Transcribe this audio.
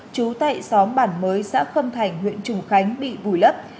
trú tại xóm bản mới xã khâm thành huyện trùng khánh bị vùi lấp